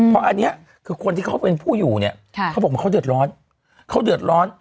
เพราะอันนี้คือคนที่เขาเป็นผู้อยู่เขาบอกว่าเขาเดือดร้อน